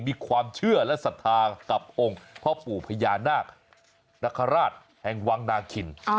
มีความเชื่อและศรัทธากับองค์พ่อปู่พญานาคนคราชแห่งวังนาคิน